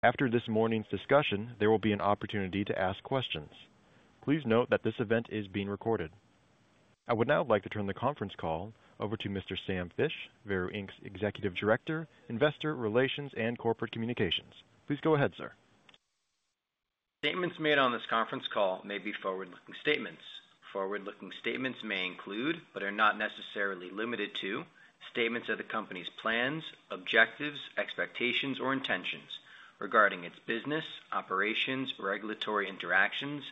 After this morning's discussion, there will be an opportunity to ask questions. Please note that this event is being recorded. I would now like to turn the conference call over to Mr. Sam Fisch, Veru's Executive Director, Investor Relations and Corporate Communications. Please go ahead, sir. Statements made on this conference call may be forward-looking statements. Forward-looking statements may include, but are not necessarily limited to statements of the company's plans, objectives, expectations, or intentions regarding its business, operations or regulatory interactions,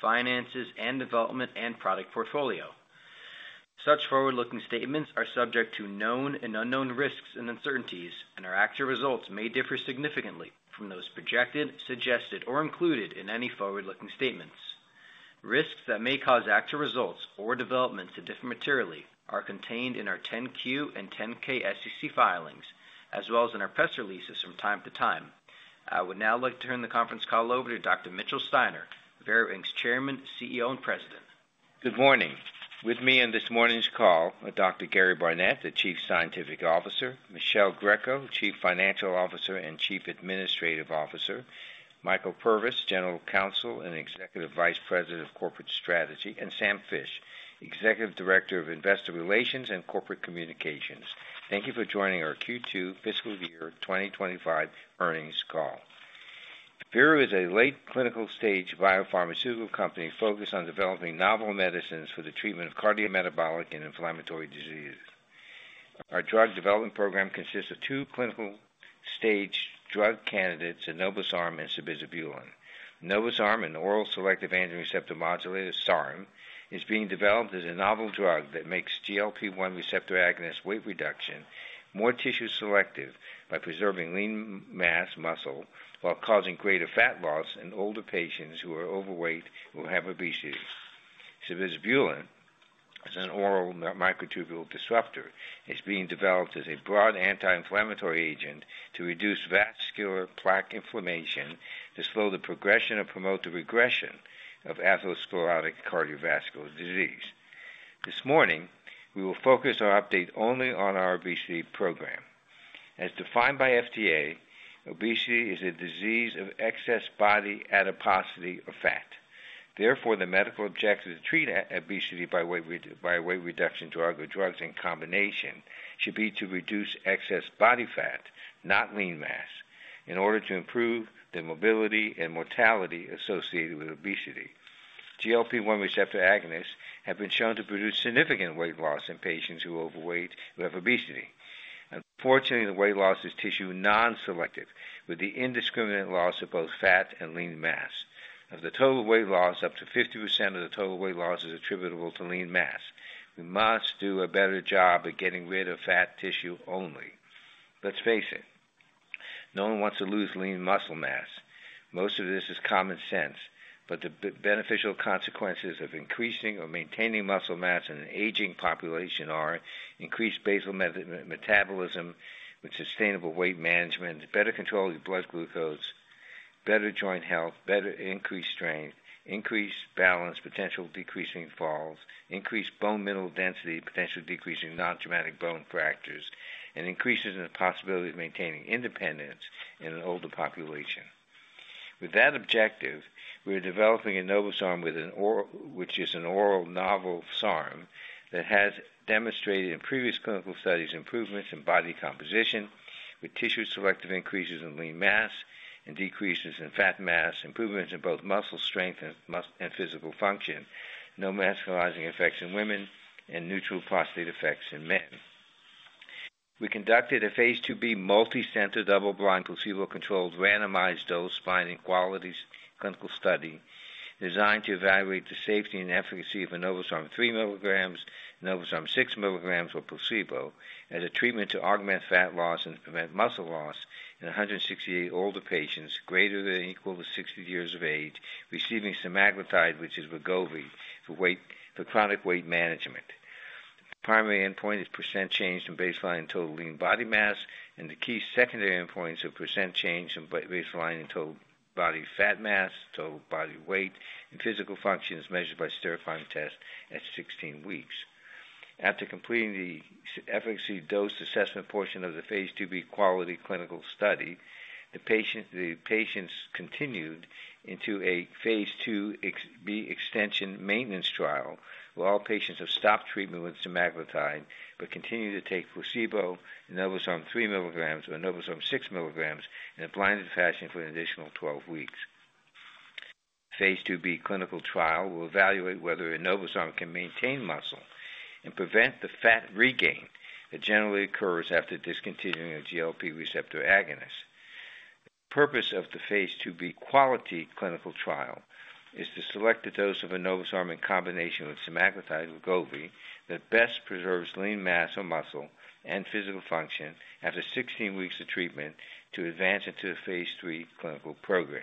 finances, and development and product portfolio. Such forward-looking statements are subject to known and unknown risks and uncertainties, and our actual results may differ significantly from those projected, suggested, or included in any forward-looking statements. Risks that may cause actual results or developments to differ materially are contained in our 10Q and 10K SEC filings, as well as in our press releases from time to time. I would now like to turn the conference call over to Dr. Mitchell Steiner, Veru's Chairman, CEO, and President. Good morning. With me on this morning's call are Dr. Gary Barnette, the Chief Scientific Officer; Michele Greco, Chief Financial Officer and Chief Administrative Officer; Michael Purvis, General Counsel and Executive Vice President of Corporate Strategy; and Sam Fisch, Executive Director of Investor Relations and Corporate Communications. Thank you for joining our Q2 Fiscal Year 2025 Earnings Call. Veru is a late clinical stage biopharmaceutical company focused on developing novel medicines for the treatment of cardiometabolic and inflammatory diseases. Our drug development program consists of two clinical stage drug candidates: Enobosarm and Sabizabulin. Enobosarm, an oral selective androgen receptor modulator, SARM, is being developed as a novel drug that makes GLP-1 receptor agonist weight reduction more tissue selective by preserving lean mass muscle while causing greater fat loss in older patients who are overweight or have obesity. Sabizabulin is an oral microtubule disruptor. It's being developed as a broad anti-inflammatory agent to reduce vascular plaque inflammation, to slow the progression or promote the regression of atherosclerotic cardiovascular disease. This morning, we will focus our update only on our obesity program. As defined by FDA, obesity is a disease of excess body adiposity or fat. Therefore, the medical objective to treat obesity by weight reduction drug or drugs in combination should be to reduce excess body fat, not lean mass, in order to improve the mobility and mortality associated with obesity. GLP-1 receptor agonists have been shown to produce significant weight loss in patients who are overweight or have obesity. Unfortunately, the weight loss is tissue non-selective, with the indiscriminate loss of both fat and lean mass. Of the total weight loss, up to 50% of the total weight loss is attributable to lean mass. We must do a better job at getting rid of fat tissue only. Let's face it, no one wants to lose lean muscle mass. Most of this is common sense, but the beneficial consequences of increasing or maintaining muscle mass in an aging population are increased basal metabolism with sustainable weight management, better control of your blood glucose, better joint health, better increased strength, increased balance, potential decrease in falls, increased bone mineral density, potential decrease in non-traumatic bone fractures, and increases in the possibility of maintaining independence in an older population. With that objective, we are developing Enobosarm, which is an oral novel SARM that has demonstrated in previous clinical studies improvements in body composition with tissue selective increases in lean mass and decreases in fat mass, improvements to both muscle strength and physical function, no masculinizing effects in women, and neutral prostate effects in men. We conducted a phase IIB multi-center double-blind placebo-controlled randomized dose finding qualities clinical study designed to evaluate the safety and efficacy of Enobosarm 3 mg, Enobosarm 6 mg, or placebo as a treatment to augment fat loss and prevent muscle loss in 168 older patients greater than or equal to 60 years of age receiving semaglutide, which is Wegovy, for chronic weight management. The primary endpoint is percent change from baseline total lean body mass, and the key secondary endpoints are percent change from baseline in total body fat mass, total body weight, and physical functions measured by stair climb test at 16 weeks. After completing the efficacy dose assessment portion of the phase IIB quality clinical study, the patients continued into a phase IIB extension maintenance trial where all patients have stopped treatment with semaglutide but continue to take placebo, Enobosarm 3 mg, or Enobosarm 6 mg in a blinded fashion for an additional 12 weeks. Phase IIB clinical trial will evaluate whether Enobosarm can maintain muscle and prevent the fat regain that generally occurs after discontinuing a GLP-1 receptor agonist. The purpose of the phase IIB quality clinical trial is to select the dose of Enobosarm in combination with Semaglutide/Wegovy that best preserves lean mass or muscle and physical function after 16 weeks of treatment to advance into the phase III clinical program.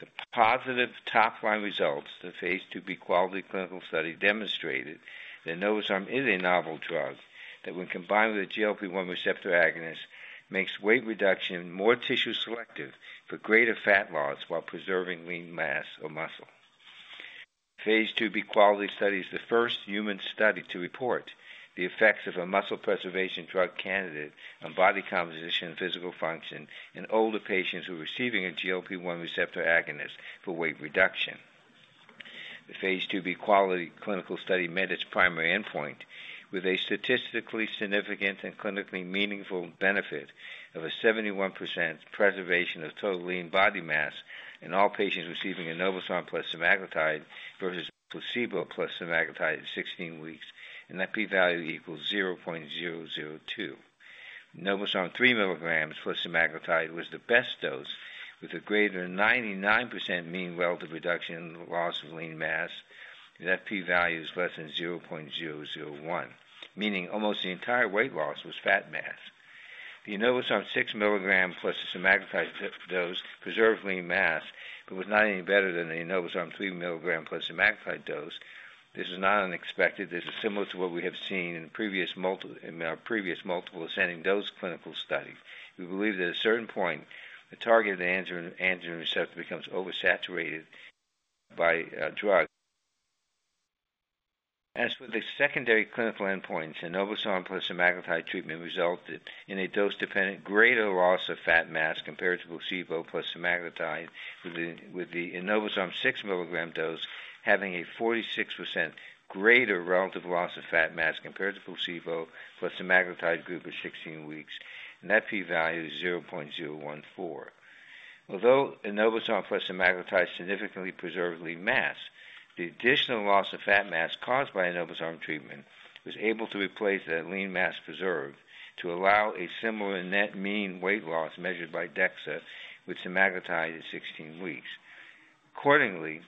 The positive top-line results of the phase IIB quality clinical study demonstrated that Enobosarm is a novel drug that, when combined with a GLP-1 receptor agonist, makes weight reduction more tissue selective for greater fat loss while preserving lean mass or muscle. Phase IIB quality study is the first human study to report the effects of a muscle preservation drug candidate on body composition and physical function in older patients who are receiving a GLP-1 receptor agonist for weight reduction. The phase IIB quality clinical study met its primary endpoint with a statistically significant and clinically meaningful benefit of a 71% preservation of total lean body mass in all patients receiving Enobosarm plus semaglutide versus placebo plus semaglutide at 16 weeks, and that P value equals 0.002. Enobosarm 3 mg plus semaglutide was the best dose with a greater than 99% mean weld relative reduction loss of lean mass, and p value is less than 0.001, meaning almost the entire weight loss was fat mass. The Enobosarm 6 mg plus semaglutide dose preserved lean mass, but was not any better than the Enobosarm 3 mg plus semaglutide dose. This is not unexpected. This is similar to what we have seen in our previous multiple ascending dose clinical studies. We believe that at a certain point, the targeted androgen receptor becomes oversaturated by a drug. As for the secondary clinical endpoints, Enobosarm plus semaglutide treatment resulted in a dose-dependent greater loss of fat mass compared to placebo plus semaglutide, with the Enobosarm 6 mg dose having a 46% greater relative loss of fat mass compared to placebo plus semaglutide group at 16 weeks, and P value is 0.014. Although Enobosarm plus semaglutide significantly preserved lean mass, the additional loss of fat mass caused by Enobosarm treatment was able to replace that lean mass preserved to allow a similar net mean weight loss measured by DEXA with semaglutide at 16 weeks. Accordingly,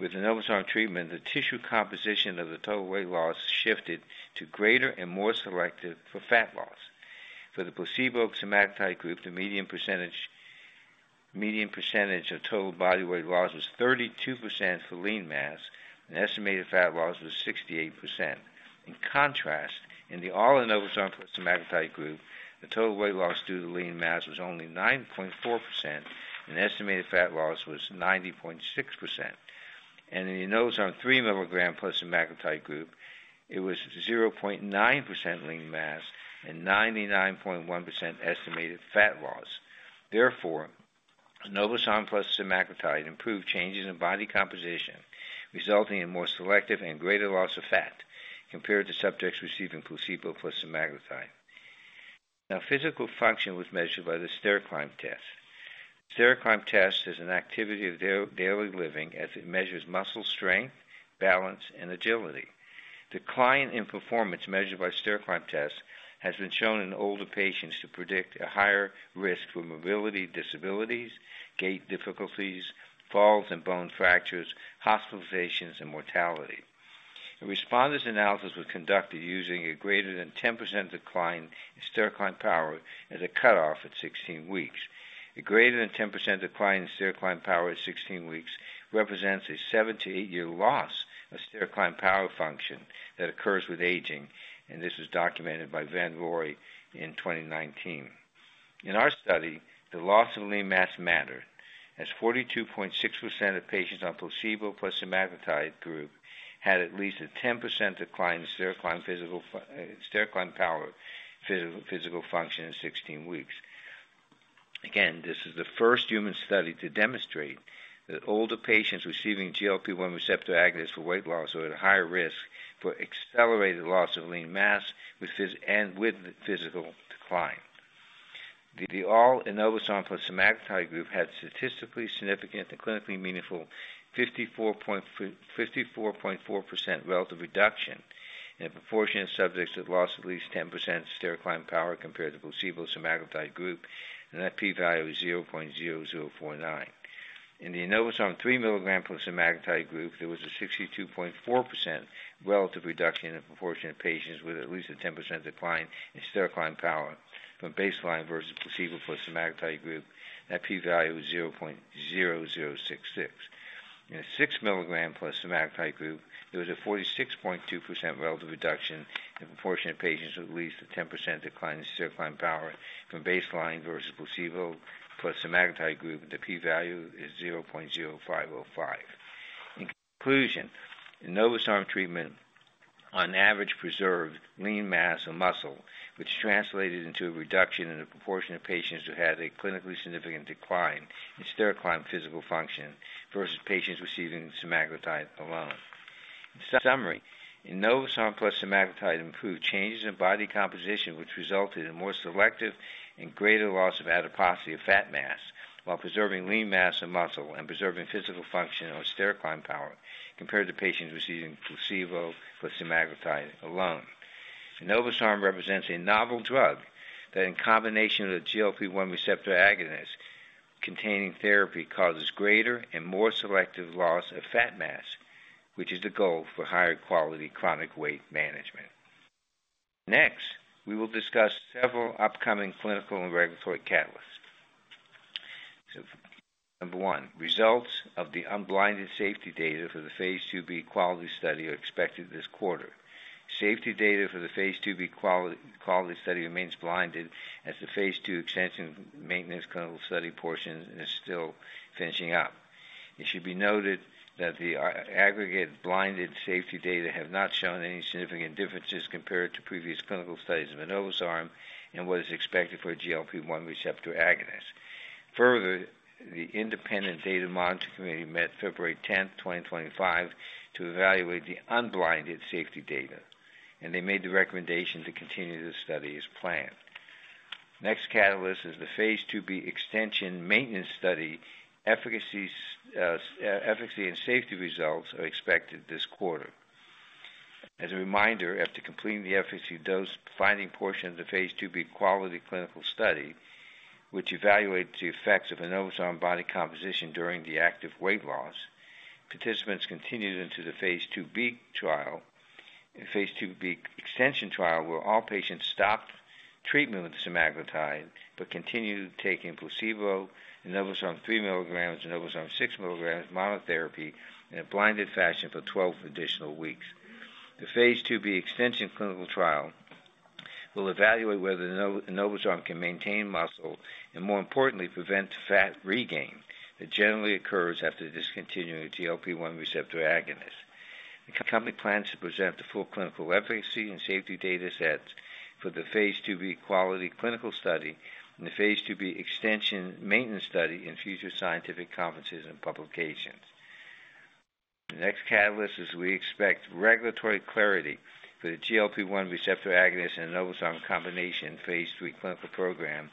with Enobosarm treatment, the tissue composition of the total weight loss shifted to greater and more selective for fat loss. For the placebo semaglutide group, the median percentage of total body weight loss was 32% for lean mass, and estimated fat loss was 68%. In contrast, in the all Enobosarm plus semaglutide group, the total weight loss due to lean mass was only 9.4%, and estimated fat loss was 90.6%. In the Enobosarm 3 mg plus semaglutide group, it was 0.9% lean mass and 99.1% estimated fat loss. Therefore, Enobosarm plus semaglutide improved changes in body composition, resulting in more selective and greater loss of fat compared to subjects receiving placebo plus semaglutide. Now, physical function was measured by the stair climb test. Stair climb test is an activity of daily living as it measures muscle strength, balance, and agility. Decline in performance measured by stair climb test has been shown in older patients to predict a higher risk for mobility disabilities, gait difficulties, falls and bone fractures, hospitalizations, and mortality. A responses analysis was conducted using a greater than 10% decline in stair climb power as a cutoff at 16 weeks. A greater than 10% decline in stair climb power at 16 weeks represents a seven to eight year loss of stair climb power function that occurs with aging, and this was documented by Van Rooy in 2019. In our study, the loss of lean mass mattered as 42.6% of patients on placebo plus semaglutide group had at least a 10% decline in stair climb power physical function at 16 weeks. Again, this is the first human study to demonstrate that older patients receiving GLP-1 receptor agonists for weight loss are at higher risk for accelerated loss of lean mass and with physical decline. The all Enobosarm plus semaglutide group had statistically significant and clinically meaningful 54.4% relative reduction in proportion of subjects with loss of at least 10% stair climb power compared to placebo semaglutide group, and p value is 0.0049. In the Enobosarm 3 mg plus semaglutide group, there was a 62.4% relative reduction in proportion of patients with at least a 10% decline in stair climb power from baseline versus placebo plus semaglutide group and P value is 0.0066. In the 6 mg plus semaglutide group, there was a 46.2% relative reduction in proportion of patients with at least a 10% decline in stair climb power from baseline versus placebo plus semaglutide group, and the P value is 0.0505. In conclusion, Enobosarm treatment on average preserved lean mass and muscle, which translated into a reduction in the proportion of patients who had a clinically significant decline in stair climb physical function versus patients receiving semaglutide alone. In summary, Enobosarm plus semaglutide improved changes in body composition, which resulted in more selective and greater loss of adiposity or fat mass while preserving lean mass and muscle and preserving physical function on stair climb power compared to patients receiving placebo plus semaglutide alone. Enobosarm represents a novel drug that, in combination with a GLP-1 receptor agonist containing therapy, causes greater and more selective loss of fat mass, which is the goal for higher quality chronic weight management. Next, we will discuss several upcoming clinical and regulatory catalysts. Number one, results of the unblinded safety data for the phase IIB quality study are expected this quarter. Safety data for the phase IIB quality study remains blinded as the phase II extension maintenance clinical study portion is still finishing up. It should be noted that the aggregated blinded safety data have not shown any significant differences compared to previous clinical studies of Enobosarm and what is expected for a GLP-1 receptor agonist. Further, the independent data monitoring committee met February 10, 2025, to evaluate the unblinded safety data and they made the recommendation to continue the study as planned. Next catalyst is the phase IIB extension maintenance study. Efficacy and safety results are expected this quarter. As a reminder, after completing the efficacy dose finding portion of the phase IIB quality clinical study, which evaluated the effects of Enobosarm on body composition during the active weight loss, participants continued into the phase IIB trial and phase IIB extension trial where all patients stopped treatment with semaglutide but continued taking placebo, Enobosarm 3 mg, Enobosarm 6 mg, monotherapy in a blinded fashion for 12 additional weeks. The phase IIB extension clinical trial will evaluate whether Enobosarm can maintain muscle and, more importantly, prevent fat regain that generally occurs after discontinuing the GLP-1 receptor agonist. The company plans to present the full clinical efficacy and safety data sets for the phase IIB quality clinical study and the phase IIB extension maintenance study in future scientific conferences and publications. The next catalyst is we expect regulatory clarity for the GLP-1 receptor agonist and Enobosarm combination phase III clinical program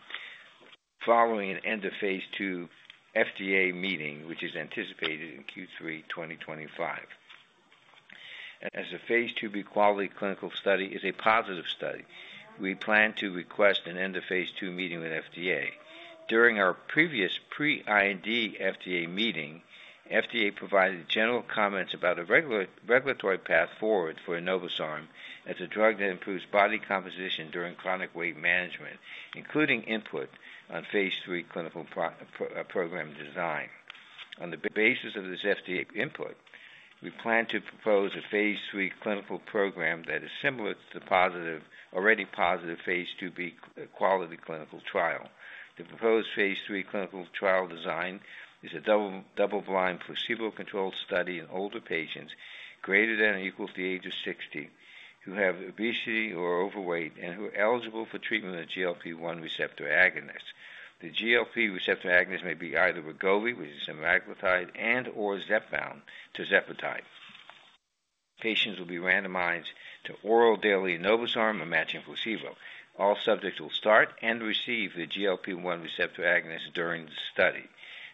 following an end of phase II FDA meeting, which is anticipated in Q3 2025. As the phase IIB quality clinical study is a positive study, we plan to request an end of phase II meeting with FDA. During our previous pre-IND FDA meeting, FDA provided general comments about a regulatory path forward for Enobosarm as a drug that improves body composition during chronic weight management, including input on phase III clinical program design. On the basis of this FDA input, we plan to propose a phase III clinical program that is similar to the already positive phase IIB quality clinical trial. The proposed phase III clinical trial design is a double-blind placebo-controlled study in older patients greater than or equal to the age of 60 who have obesity or are overweight and who are eligible for treatment with a GLP-1 receptor agonist. The GLP-1 receptor agonist may be either Wegovy, which is semaglutide, and/or Zepbound to tirzepatide. Patients will be randomized to oral daily Enobosarm or matching placebo. All subjects will start and receive the GLP-1 receptor agonist during the study.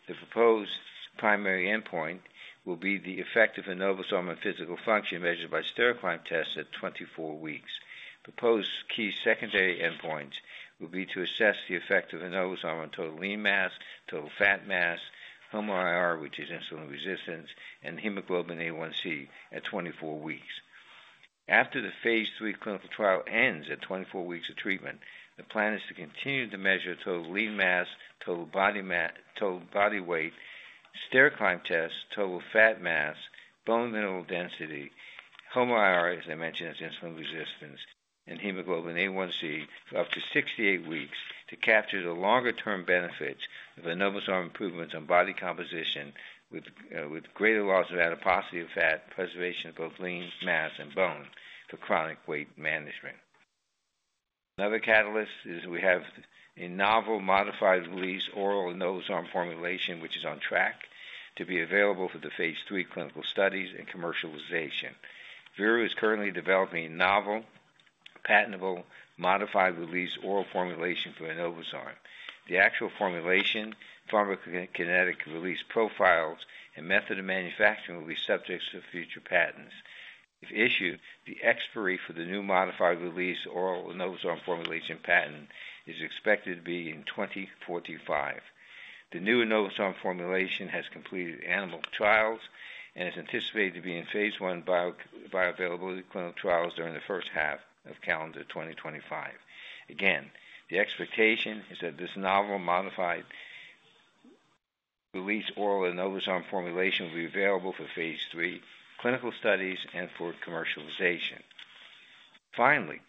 The proposed primary endpoint will be the effect of Enobosarm on physical function measured by stair climb test at 24 weeks. Proposed key secondary endpoints will be to assess the effect of Enobosarm on total lean mass, total fat mass, HOMA-IR, which is insulin resistance, and hemoglobin A1c at 24 weeks. After the phase III clinical trial ends at 24 weeks of treatment, the plan is to continue to measure total lean mass, total body weight, stair climb test, total fat mass, bone mineral density, HOMA-IR, as I mentioned, as insulin resistance, and hemoglobin A1c for up to 68 weeks to capture the longer-term benefits of Enobosarm improvements on body composition with greater loss of adiposity or fat, preservation of both lean mass and bone for chronic weight management. Another catalyst is we have a novel modified release oral Enobosarm formulation, which is on track to be available for the phase III clinical studies and commercialization. Veru is currently developing a novel, patentable, modified release, oral formulation for Enobosarm. The actual formulation, pharmacokinetic release profiles, and method of manufacturing will be subjects for future patents. If issued, the expiry for the new modified release oral Enobosarm formulation patent is expected to be in 2045. The new Enobosarm formulation has completed animal trials and is anticipated to be in phase I bioavailability clinical trials during the first half of calendar 2025. Again, the expectation is that this novel modified release oral Enobosarm formulation will be available for phase III clinical studies and for commercialization. Finally,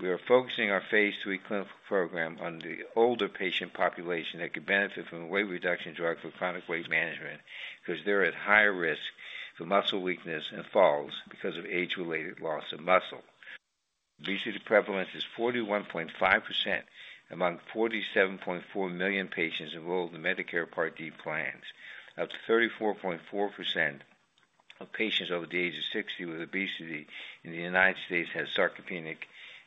we are focusing our phase III clinical program on the older patient population that could benefit from a weight reduction drug for chronic weight management because they're at higher risk for muscle weakness and falls because of age-related loss of muscle. Obesity prevalence is 41.5% among 47.4 million patients enrolled in Medicare Part D plans. Up to 34.4% of patients over the age of 60 with obesity in the United States have sarcopenic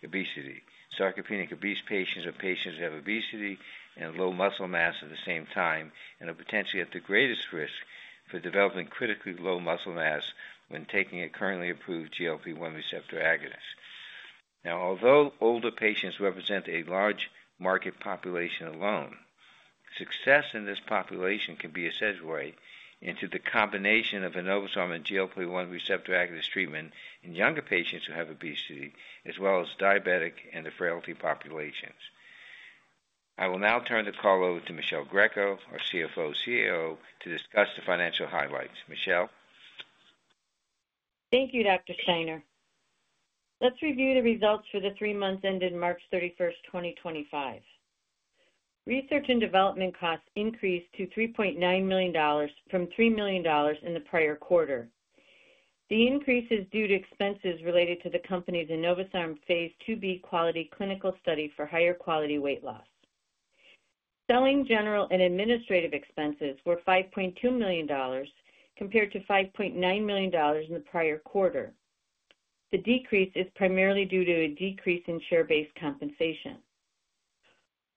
obesity. Sarcopenic obese patients are patients who have obesity and low muscle mass at the same time and are potentially at the greatest risk for developing critically low muscle mass when taking a currently approved GLP-1 receptor agonist. Now, although older patients represent a large market population alone, success in this population can be a segue into the combination of Enobosarm and GLP-1 receptor agonist treatment in younger patients who have obesity as well as diabetic and the frailty populations. I will now turn the call over to Michele Greco, our CFO CAO, to discuss the financial highlights. Michele. Thank you, Dr. Steiner. Let's review the results for the three months ended March 31st, 2025. Research and development costs increased to $3.9 million from $3 million in the prior quarter. The increase is due to expenses related to the company's Enobosarm phase IIB quality clinical study for higher quality weight loss. Selling general and administrative expenses were $5.2 million compared to $5.9 million in the prior quarter. The decrease is primarily due to the decrease in share-based compensation.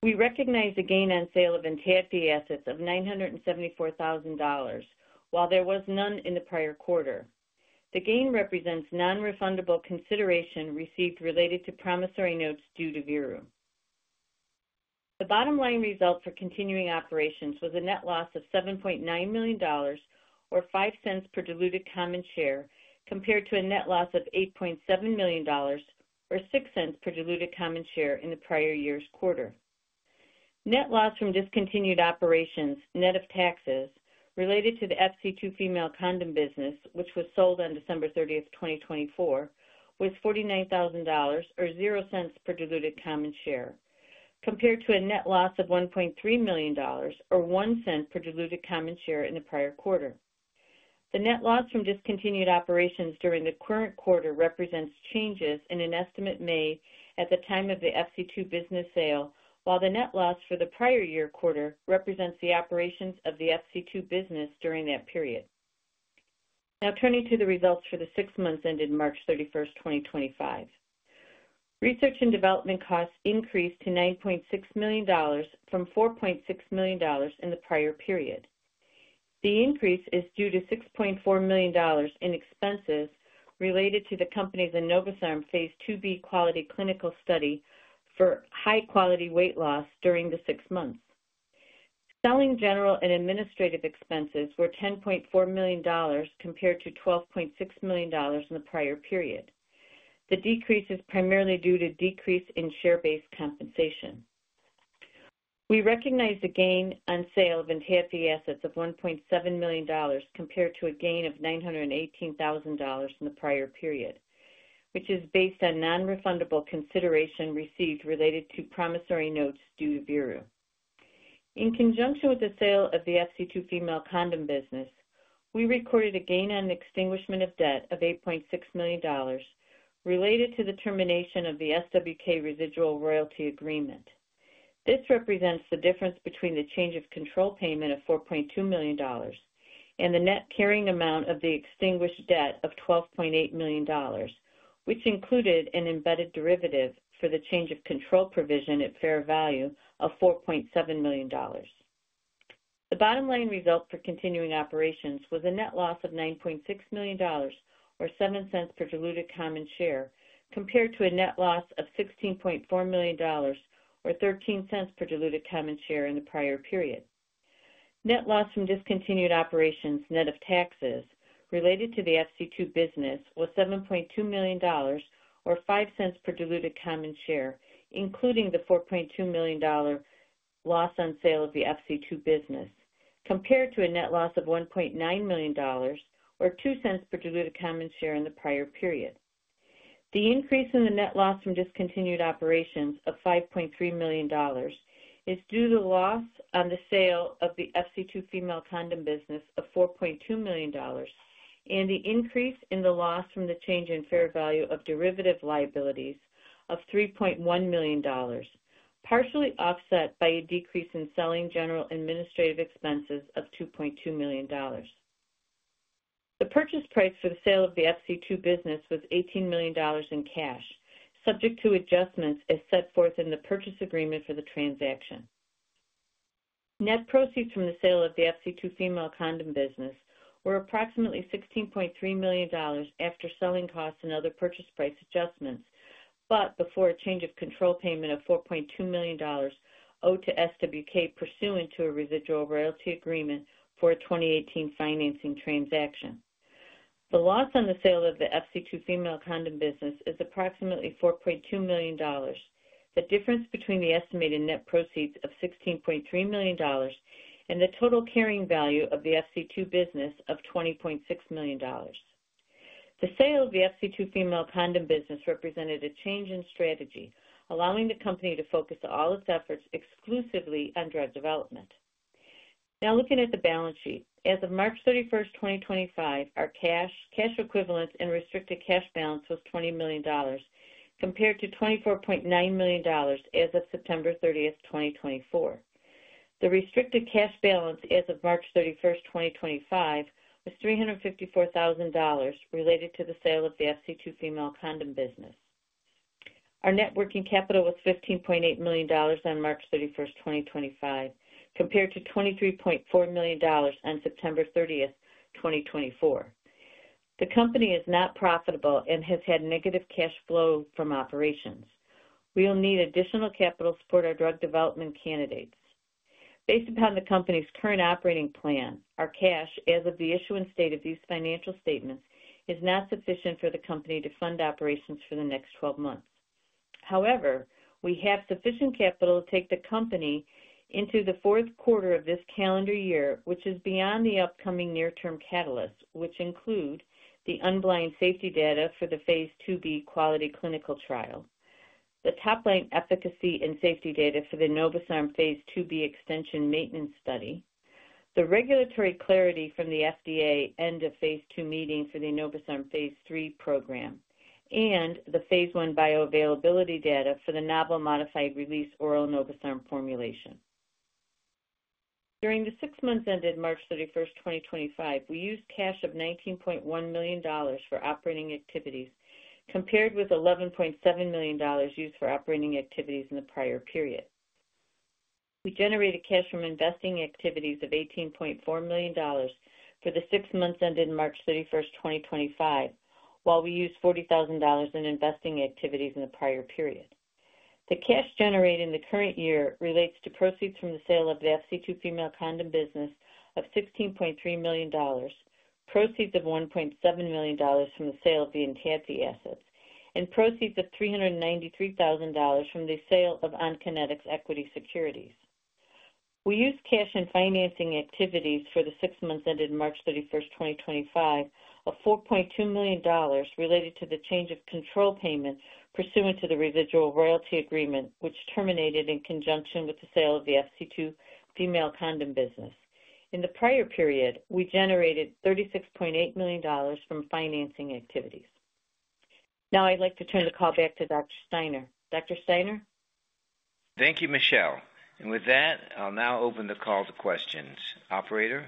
We recognize the gain on sale of entitled assets of $974,000, while there was none in the prior quarter. The gain represents non-refundable consideration received related to promissory notes due to Veru. The bottom line result for continuing operations was a net loss of $7.9 million or $0.05 per diluted common share compared to a net loss of $8.7 million or $0.06 per diluted common share in the prior year's quarter. Net loss from discontinued operations, net of taxes, related to the FC2 female condom business, which was sold on December 30 of 2024, was $49,000 or $0.00 per diluted common share compared to a net loss of $1.3 million or $0.01 per diluted common share in the prior quarter. The net loss from discontinued operations during the current quarter represents changes in an estimate made at the time of the FC2 sale, while the net loss for the prior year quarter represents the operations of the FC2 business during that period. Now, turning to the results for the six months ended March 31st, 2025. Research and development costs increased to $9.6 million from $4.6 million in the prior period. The increase is due to $6.4 million in expenses related to the company's Enobosarm phase IIB quality clinical study for high-quality weight loss during the six months. Selling, general and administrative expenses were $10.4 million compared to $12.6 million in the prior period. The decrease is primarily due to decrease in share-based compensation. We recognize the gain on sale in FC assets of $1.7 million compared to a gain of $918,000 in the prior period, which is based on non-refundable consideration received related to promissory notes due to Veru. In conjunction with the sale of the FC2 female condom business, we recorded a gain on the extinguishment of debt of $8.6 million related to the termination of the SWK residual royalty agreement. This represents the difference between the change of control payment of $4.2 million and the net carrying amount of the extinguished debt of $12.8 million, which included an embedded derivative for the change of control provision at fair value of $4.7 million. The bottom line result for continuing operations was a net loss of $9.6 million or $0.07 per diluted common share compared to a net loss of $16.4 million or $0.13 per diluted common share in the prior period. Net loss from discontinued operations, net of taxes, related to the FC2 business was $7.2 million or $0.05 per diluted common share, including the $4.2 million loss on sale of the FC2 business compared to a net loss of $1.9 million or $0.02 per diluted common share in the prior period. The increase in the net loss from discontinued operations of $5.3 million is due to the loss on the sale of the FC2 female condom business of $4.2 million and the increase in the loss from the change in fair value of derivative liabilities of $3.1 million, partially offset by a decrease in selling, general, and administrative expenses of $2.2 million. The purchase price for the sale of the FC2 business was $18 million in cash, subject to adjustments as set forth in the purchase agreement for the transaction. Net proceeds from the sale of the FC2 female condom business were approximately $16.3 million after selling costs and other purchase price adjustments, but before a change of control payment of $4.2 million owed to SWK pursuant to a residual royalty agreement for a 2018 financing transaction. The loss on the sale of the FC2 female condom business is approximately $4.2 million, the difference between the estimated net proceeds of $16.3 million and the total carrying value of the FC2 business of $20.6 million. The sale of the FC2 female condom business represented a change in strategy, allowing the company to focus all its efforts exclusively on drug development. Now, looking at the balance sheet, as of March 31st, 2025, our cash, cash equivalents, and restricted cash balance was $20 million compared to $24.9 million as of September 30 of 2024. The restricted cash balance as of March 31st, 2025 was $354,000 related to the sale of the FC2 female condom business. Our net working capital was $15.8 million on March 31st, 2025, compared to $23.4 million on September 30th, 2024. The company is not profitable and has had negative cash flow from operations. We will need additional capital to support our drug development candidates. Based upon the company's current operating plan, our cash, as of the issuance date of these financial statements, is not sufficient for the company to fund operations for the next 12 months. However, we have sufficient capital to take the company into the fourth quarter of this calendar year, which is beyond the upcoming near-term catalysts, which include the unblind safety data for the phase IIB quality clinical trial, the top-line efficacy and safety data for the Enobosarm phase IIB extension maintenance study, the regulatory clarity from the FDA end of phase II meeting for the Enobosarm phase III program, and the phase I bioavailability data for the novel modified release oral Enobosarm formulation. During the six months ended March 31st, 2025, we used cash of $19.1 million for operating activities compared with $11.7 million used for operating activities in the prior period. We generated cash from investing activities of $18.4 million for the six months ended March 31st, 2025, while we used $40,000 in investing activities in the prior period. The cash generated in the current year relates to proceeds from the sale of the FC2 female condom business of $16.3 million, proceeds of $1.7 million from the sale of the entitled assets, and proceeds of $393,000 from the sale of OnKinetics equity securities. We used cash in financing activities for the six months ended March 31st, 2025, of $4.2 million related to the change of control payment pursuant to the residual royalty agreement, which terminated in conjunction with the sale of the FC2 female condom business. In the prior period, we generated $36.8 million from financing activities. Now, I'd like to turn the call back to Dr. Steiner. Dr. Steiner? Thank you, Michele. With that, I'll now open the call to questions. Operator.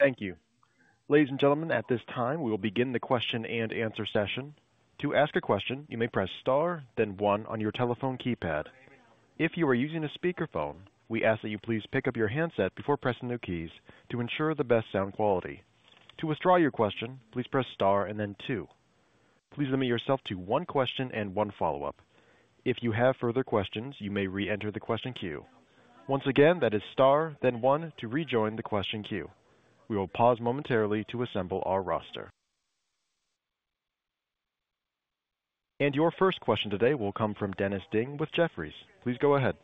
Thank you. Ladies and gentlemen, at this time, we will begin the question and answer session. To ask a question, you may press star, then one on your telephone keypad. If you are using a speakerphone, we ask that you please pick up your handset before pressing the keys to ensure the best sound quality. To withdraw your question, please press star and then two. Please limit yourself to one question and one follow-up. If you have further questions, you may re-enter the question queue. Once again, that is star, then one to rejoin the question queue. We will pause momentarily to assemble our roster. Your first question today will come from Dennis Ding with Jefferies. Please go ahead.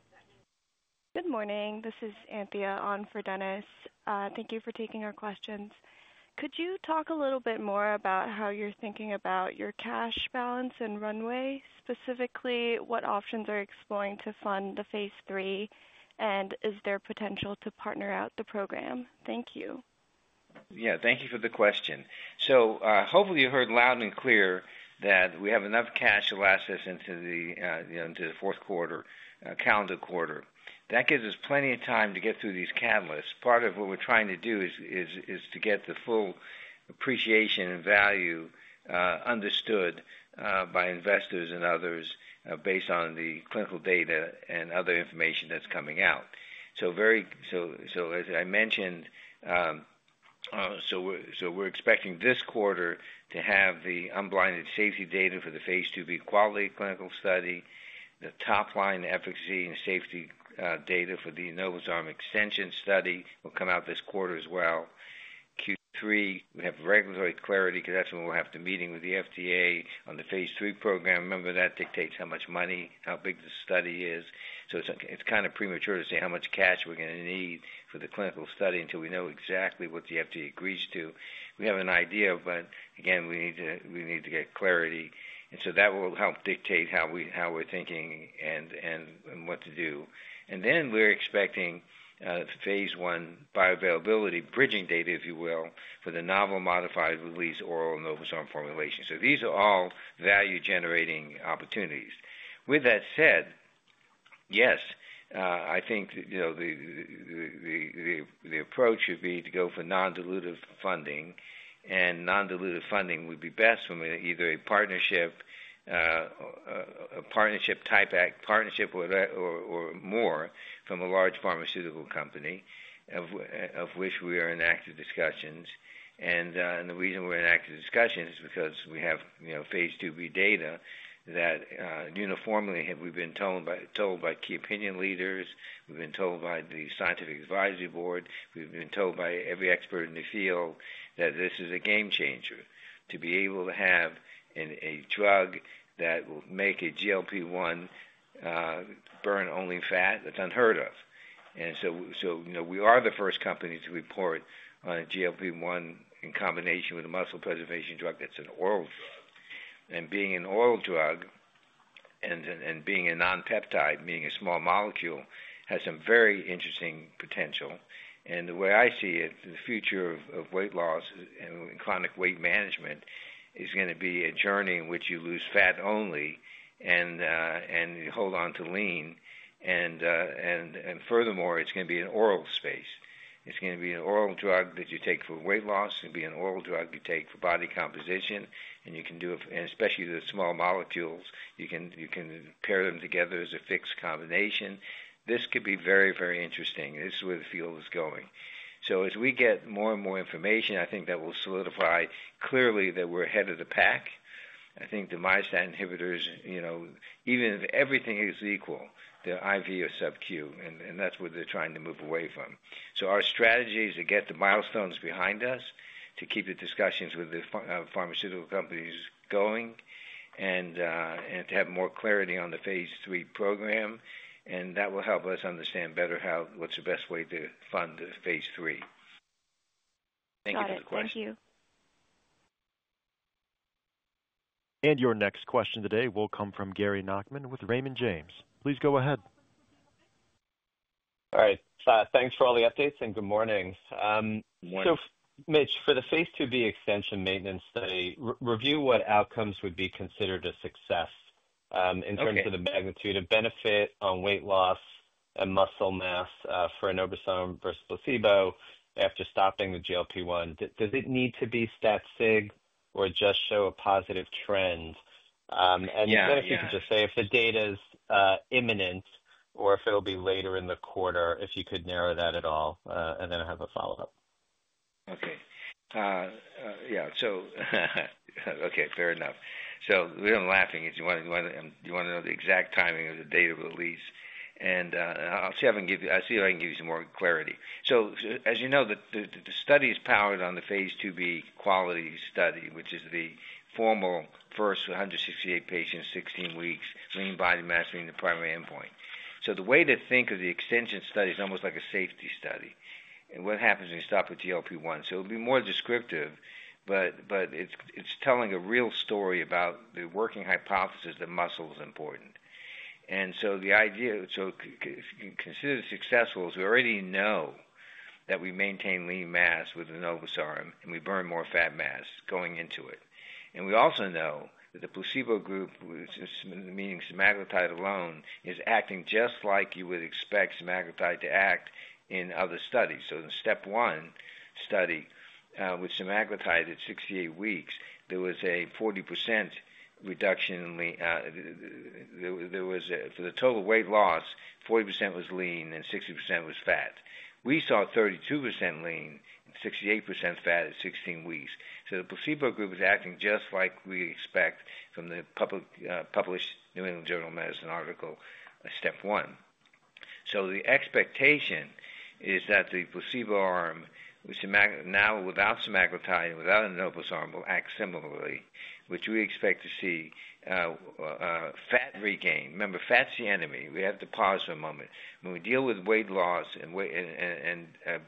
Good morning. This is Anthea on for Dennis. Thank you for taking our questions. Could you talk a little bit more about how you're thinking about your cash balance and runway? Specifically, what options are you exploring to fund the phase III, and is there potential to partner out the program? Thank you. Yeah. Thank you for the question. Hopefully, you heard loud and clear that we have enough cash to last us into the fourth quarter, calendar quarter. That gives us plenty of time to get through these catalysts. Part of what we're trying to do is to get the full appreciation and value understood by investors and others based on the clinical data and other information that's coming out. As I mentioned, we're expecting this quarter to have the unblinded safety data for the phase IIB quality clinical study. The top-line efficacy and safety data for the Enobosarm extension study will come out this quarter as well. Q3, we have regulatory clarity because that's when we'll have the meeting with the FDA on the phase III program. Remember, that dictates how much money, how big the study is. It's kind of premature to say how much cash we're going to need for the clinical study until we know exactly what the FDA agrees to. We have an idea, but again, we need to get clarity. That will help dictate how we're thinking and what to do. We're expecting phase I bioavailability bridging data, if you will, for the novel modified release oral Enobosarm formulation. These are all value-generating opportunities. With that said, yes, I think the approach would be to go for non-dilutive funding. Non-dilutive funding would be best from either a partnership, a partnership type act, partnership or more from a large pharmaceutical company, of which we are in active discussions. The reason we are in active discussions is because we have phase IIB data that uniformly have we been told by key opinion leaders. We have been told by the scientific advisory board. We have been told by every expert in the field that this is a game changer, to be able to have a drug that will make a GLP-1 burn only fat, that's unheard of. We are the first company to report on a GLP-1 in combination with a muscle preservation drug that's an oral drug. Being an oral drug and being a non-peptide, meaning a small molecule, has some very interesting potential. The way I see it, the future of weight loss and chronic weight management is going to be a journey in which you lose fat only and hold on to lean. Furthermore, it is going to be an oral space. It is going to be an oral drug that you take for weight loss. It will be an oral drug you take for body composition. You can do, and especially the small molecules, you can pair them together as a fixed combination. This could be very, very interesting. This is where the field is going. As we get more and more information, I think that will solidify clearly that we are ahead of the pack. I think the myostatin inhibitors, even if everything is equal, the IV is sub-Q. That is what they are trying to move away from. Our strategy is to get the milestones behind us, to keep the discussions with the pharmaceutical companies going, and to have more clarity on the phase III program. That will help us understand better what's the best way to fund phase III. Thank you for the question. Thank you. Your next question today will come from Gary Nachman with Raymond James. Please go ahead. All right. Thanks for all the updates and good morning. Good morning. Mitch, for the phase IIB extension maintenance study, review what outcomes would be considered a success in terms of the magnitude of benefit on weight loss and muscle mass for Enobosarm versus placebo after stopping the GLP-1. Does it need to be stat-sig or just show a positive trend? If you could just say if the data is imminent or if it will be later in the quarter, if you could narrow that at all, and then I have a follow-up. Okay. Yeah. Okay. Fair enough. We are laughing because you want to know the exact timing of the data release. I will see if I can give you some more clarity. As you know, the study is powered on the phase IIB quality study, which is the formal first 168 patients, 16 weeks, lean body mass being the primary endpoint. The way to think of the extension study is almost like a safety study. What happens when you stop with GLP-1? It will be more descriptive, but it is telling a real story about the working hypothesis that muscle is important. The idea considered successful is we already know that we maintain lean mass with Enobosarm and we burn more fat mass going into it. We also know that the placebo group, meaning semaglutide alone, is acting just like you would expect semaglutide to act in other studies. In the step one study with semaglutide at 68 weeks, there was a 40% reduction in lean for the total weight loss, 40% was lean and 60% was fat. We saw 32% lean and 68% fat at 16 weeks. The placebo group is acting just like we expect from the published New England Journal of Medicine article, step one. The expectation is that the placebo arm, which is now without semaglutide and without Enobosarm, will act similarly, which we expect to see fat regain. Remember, fat's the enemy. We have to pause for a moment. When we deal with weight loss and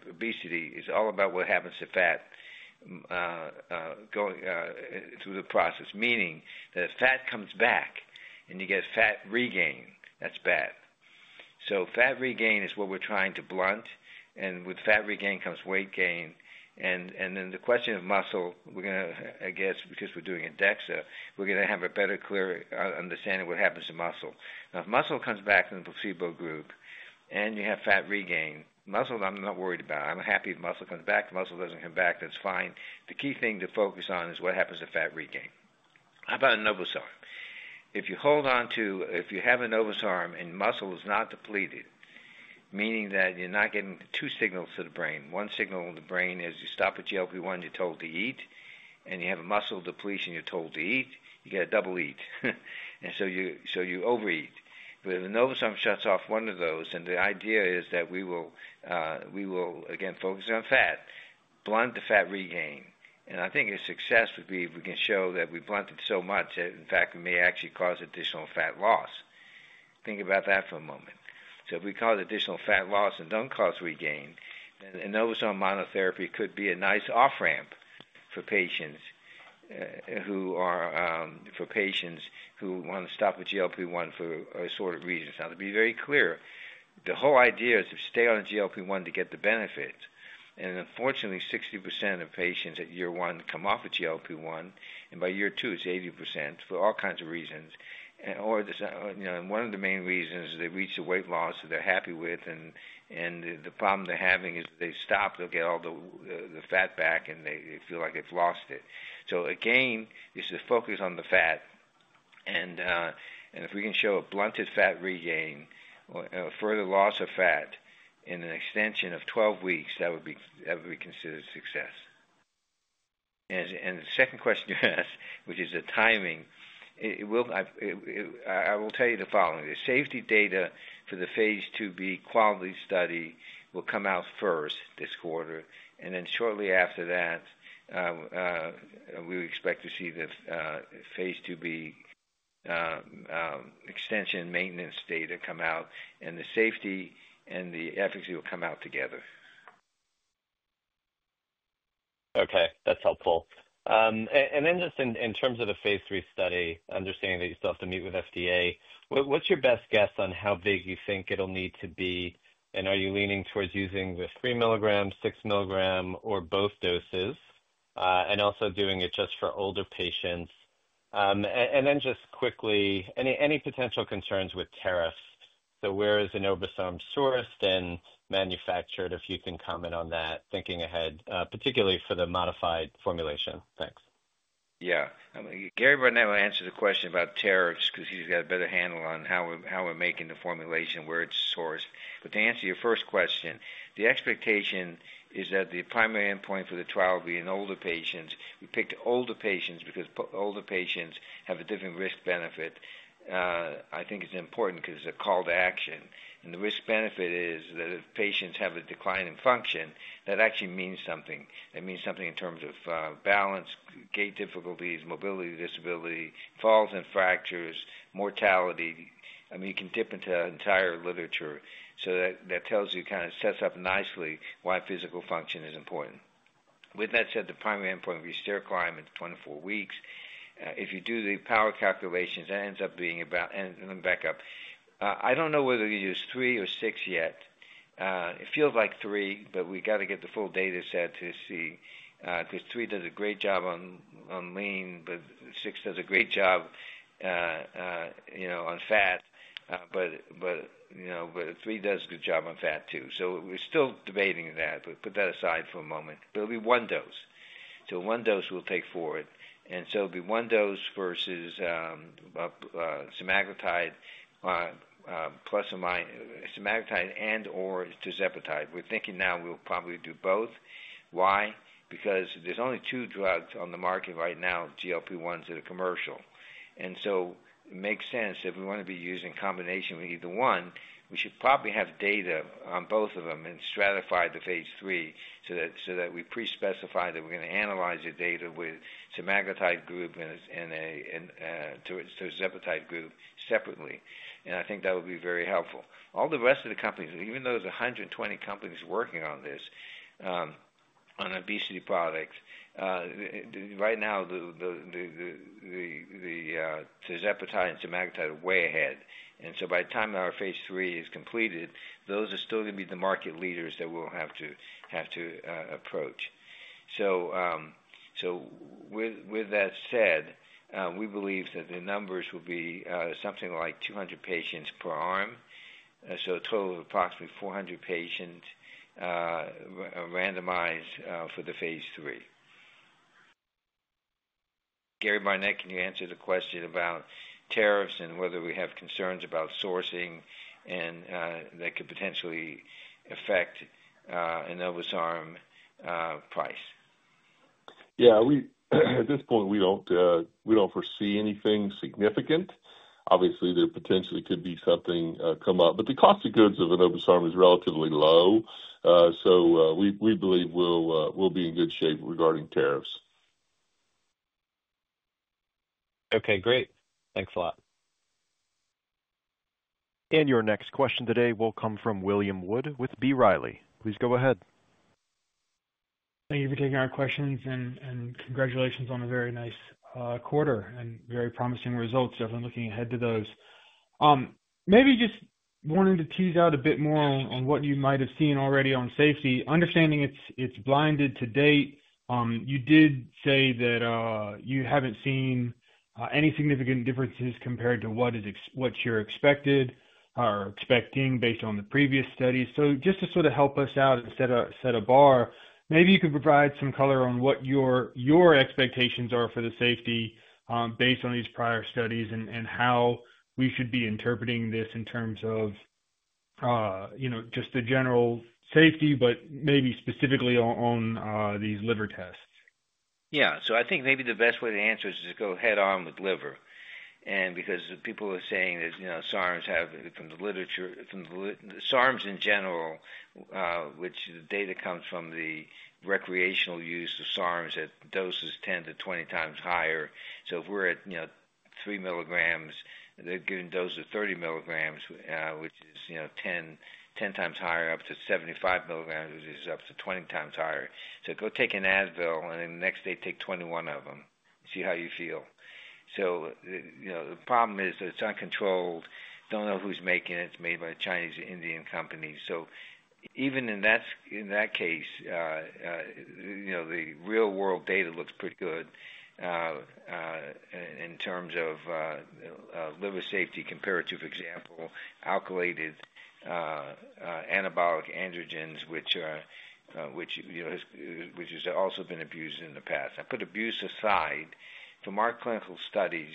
obesity, it's all about what happens to fat through the process, meaning that if fat comes back and you get fat regain, that's bad. Fat regain is what we're trying to blunt. With fat regain comes weight gain. The question of muscle, we're going to, I guess, because we're doing a DEXA, we're going to have a better clear understanding of what happens to muscle. Now, if muscle comes back in the placebo group and you have fat regain, muscle, I'm not worried about. I'm happy if muscle comes back. If muscle doesn't come back, that's fine. The key thing to focus on is what happens to fat regain. How about Enobosarm? If you hold on to, if you have Enobosarm and muscle is not depleted, meaning that you're not getting two signals to the brain. One signal in the brain is you stop at GLP-1, you're told to eat, and you have a muscle depletion, you're told to eat, you get a double eat. You overeat. If Enobosarm shuts off one of those, then the idea is that we will, again, focus on fat, blunt the fat regain. I think a success would be if we can show that we blunted so much that, in fact, it may actually cause additional fat loss. Think about that for a moment. If we cause additional fat loss and do not cause regain, then Enobosarm monotherapy could be a nice off-ramp for patients who want to stop with GLP-1 for assorted reasons. Now, to be very clear, the whole idea is to stay on GLP-1 to get the benefit. Unfortunately, 60% of patients at year one come off of GLP-1. By year two, it's 80% for all kinds of reasons. One of the main reasons is they reach the weight loss that they're happy with. The problem they're having is they stop, they'll get all the fat back, and they feel like they've lost it. Again, it's the focus on the fat. If we can show a blunted fat regain or further loss of fat in an extension of 12 weeks, that would be considered a success. The second question you asked, which is the timing, I will tell you the following. The safety data for the phase IIB quality study will come out first this quarter. Shortly after that, we expect to see the phase IIB extension maintenance data come out. The safety and the efficacy will come out together. Okay. That's helpful. In terms of the phase III study, understanding that you still have to meet with FDA, what's your best guess on how big you think it'll need to be? Are you leaning towards using the 3 mg, 6 mg, or both doses? Also, doing it just for older patients? Just quickly, any potential concerns with tariffs? Where is Enobosarm sourced and manufactured, if you can comment on that, thinking ahead, particularly for the modified formulation? Thanks. Yeah. Gary right now will answer the question about tariffs because he's got a better handle on how we're making the formulation, where it's sourced. To answer your first question, the expectation is that the primary endpoint for the trial will be in older patients. We picked older patients because older patients have a different risk-benefit. I think it's important because it's a call to action. The risk-benefit is that if patients have a decline in function, that actually means something. That means something in terms of balance, gait difficulties, mobility disability, falls and fractures, mortality. I mean, you can dip into entire literature. That tells you, kind of sets up nicely why physical function is important. With that said, the primary endpoint will be stair climb in 24 weeks. If you do the power calculations, that ends up being about, and let me back up. I don't know whether to use three or six yet. It feels like three, but we got to get the full data set to see because three does a great job on lean, but six does a great job on fat. Three does a good job on fat too. We're still debating that, but put that aside for a moment. It'll be one dose. One dose we'll take forward. It'll be one dose versus semaglutide plus semaglutide and/or tirzepatide. We're thinking now we'll probably do both. Why? There are only two drugs on the market right now, GLP-1s, that are commercial. It makes sense if we want to be using combination with either one, we should probably have data on both of them and stratify the phase III so that we pre-specify that we're going to analyze your data with semaglutide group and tirzepatide group separately. I think that would be very helpful. All the rest of the companies, even those 120 companies working on this, on obesity products, right now the tirzepatide and semaglutide are way ahead. By the time our phase III is completed, those are still going to be the market leaders that we'll have to approach. With that said, we believe that the numbers will be something like 200 patients per arm, so a total of approximately 400 patients randomized for the phase III. Gary Barnette, can you answer the question about tariffs and whether we have concerns about sourcing and that could potentially affect Enobosarm price? Yeah. At this point, we don't foresee anything significant. Obviously, there potentially could be something come up, but the cost of goods of Enobosarm is relatively low. We believe we'll be in good shape regarding tariffs. Okay. Great. Thanks a lot. Your next question today will come from William Wood with B. Riley. Please go ahead. Thank you for taking our questions. Congratulations on a very nice quarter and very promising results. Definitely looking ahead to those. Maybe just wanting to tease out a bit more on what you might have seen already on safety. Understanding it's blinded to date, you did say that you haven't seen any significant differences compared to what you're expecting based on the previous studies. Just to sort of help us out and set a bar, maybe you could provide some color on what your expectations are for the safety based on these prior studies and how we should be interpreting this in terms of just the general safety, but maybe specifically on these liver tests. Yeah. I think maybe the best way to answer is just go head-on with liver. Because people are saying that SARMs have, from the literature, SARMs in general, which the data comes from the recreational use of SARMs at doses 10 to 20 times higher. If we're at 3 mg, they're giving doses of 30 mg, which is 10 times higher, up to 75 mg, which is up to 20 times higher. Go take an Advil, and then the next day take 21 of them and see how you feel. The problem is that it's uncontrolled. Don't know who's making it. It's made by a Chinese-Indian company. Even in that case, the real-world data looks pretty good in terms of liver safety compared to, for example, alkylated anabolic androgens, which has also been abused in the past. Now, put abuse aside, from our clinical studies,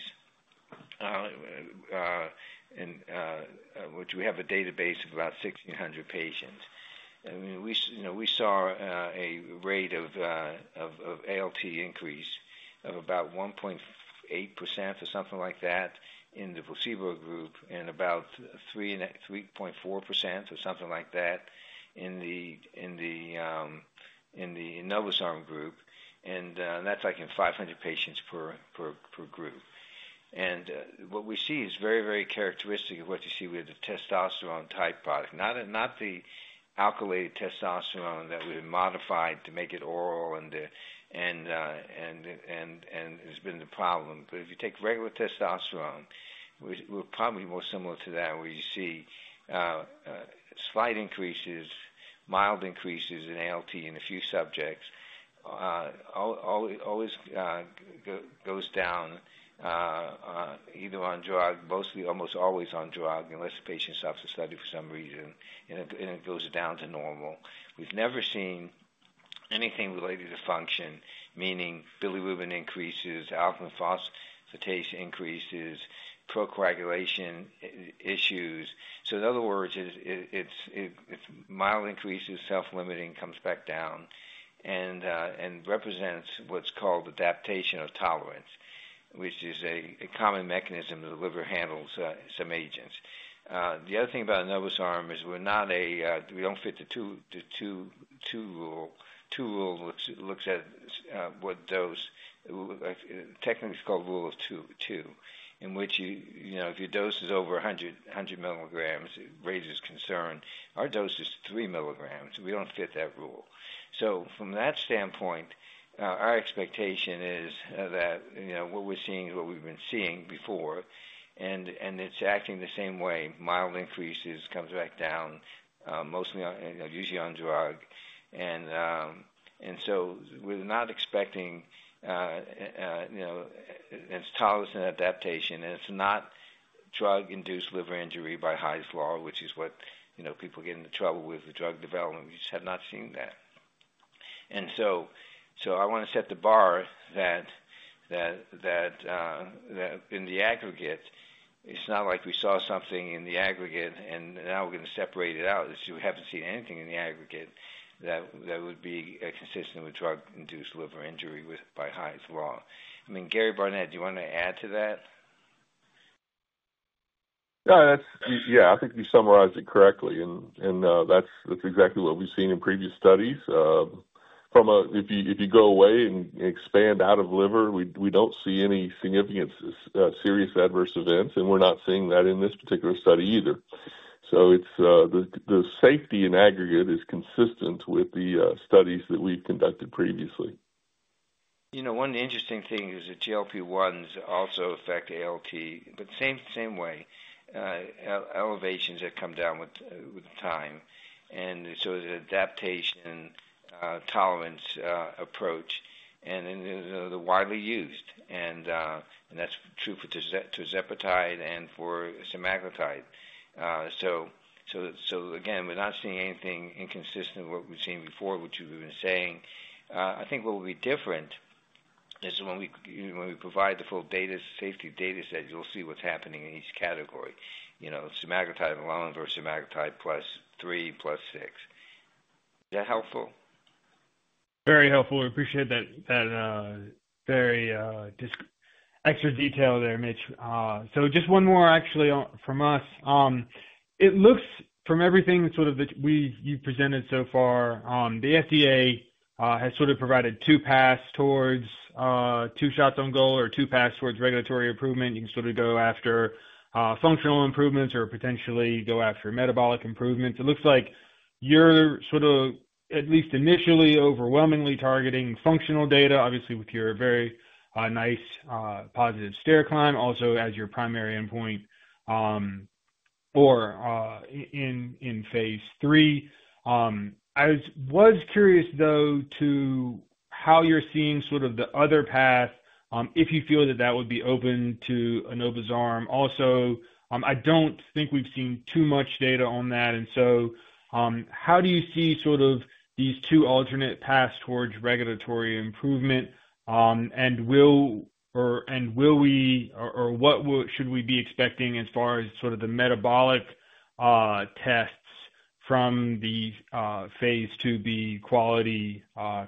which we have a database of about 1,600 patients, we saw a rate of ALT increase of about 1.8% or something like that in the placebo group and about 3.4% or something like that in the Enobosarm group. That's like in 500 patients per group. What we see is very, very characteristic of what you see with the testosterone-type product. Not the alkylated testosterone that we've modified to make it oral and has been the problem. If you take regular testosterone, we're probably more similar to that where you see slight increases, mild increases in ALT in a few subjects always goes down either on drug, mostly almost always on drug, unless the patient stops the study for some reason, and it goes down to normal. We've never seen anything related to function, meaning bilirubin increases, alkaline phosphatase increases, procoagulation issues. In other words, it's mild increases, self-limiting, comes back down, and represents what's called adaptation or tolerance, which is a common mechanism that the liver handles some agents. The other thing about Enobosarm is we don't fit the two-rule. Two-rulelooks at what dose, technically it's called rule of two, in which if your dose is over 100 mg raises concern. Our dose is 3 mg. We don't fit that rule. From that standpoint, our expectation is that what we're seeing is what we've been seeing before. It's acting the same way. Mild increases, comes back down, usually on drug. We're not expecting, it's tolerance and adaptation. It's not drug-induced liver injury by high floor, which is what people get into trouble with the drug development. We just have not seen that. I want to set the bar that in the aggregate, it's not like we saw something in the aggregate, and now we're going to separate it out. We haven't seen anything in the aggregate that would be consistent with drug-induced liver injury by high floor. I mean, Gary Barnette, do you want to add to that? Yeah. I think you summarized it correctly. That's exactly what we've seen in previous studies. If you go away and expand out of liver, we don't see any significant serious adverse events. We're not seeing that in this particular study either. The safety in aggregate is consistent with the studies that we've conducted previously. One interesting thing is that GLP-1s also affect ALT but the same way, elevations have come down with time. The adaptation tolerance approach and they're widely used. That is true for tirzepatide and for semaglutide. Again, we are not seeing anything inconsistent with what we have seen before, which we have been saying. I think what will be different is when we provide the full safety data set, you will see what is happening in each category. Semaglutide alone versus semaglutide plus six plus six. Is that helpful? Very helpful. We appreciate that very extra detail there, Mitch. Just one more actually from us. It looks, from everything that you have presented so far, the FDA has provided two paths towards two shots on goal or two paths towards regulatory improvement. You can go after functional improvements or potentially go after metabolic improvements. It looks like you are at least initially overwhelmingly targeting functional data, obviously with your very nice positive stair climb also as your primary endpoint or in phase III. I was curious, though, to how you're seeing sort of the other path if you feel that that would be open to Enobosarm. Also, I don't think we've seen too much data on that. How do you see sort of these two alternate paths towards regulatory improvement? Will we or what should we be expecting as far as sort of the metabolic tests from the phase IIB quality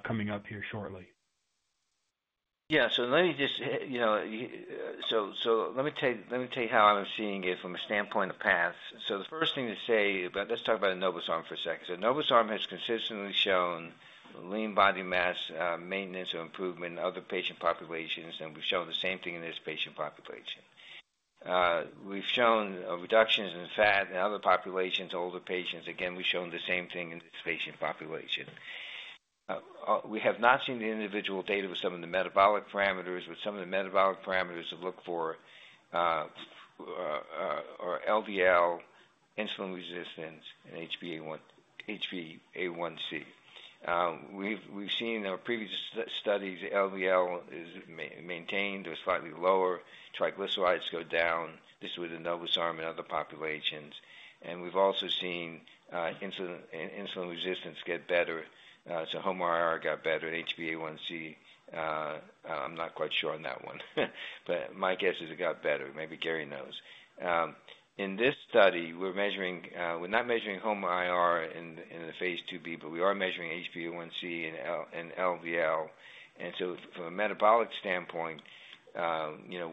coming up here shortly? Yeah. Let me just tell you how I'm seeing it from a standpoint of paths. The first thing to say about, let's talk about Enobosarm for a second. Enobosarm has consistently shown lean body mass maintenance or improvement in other patient populations. We've shown the same thing in this patient population. We've shown reductions in fat in other populations, older patients. Again, we've shown the same thing in this patient population. We have not seen the individual data with some of the metabolic parameters, but some of the metabolic parameters to look for are LDL, insulin resistance, and HbA1c. We've seen in our previous studies, LDL is maintained or slightly lower. Triglycerides go down. This is with Enobosarm and other populations. And we've also seen insulin resistance get better. So HOMA-IR got better at HbA1c, I'm not quite sure on that one. But my guess is it got better. Maybe Gary knows. In this study, we're not measuring HOMA-IR in the phase IIB, but we are measuring HbA1c and LDL. From a metabolic standpoint, we're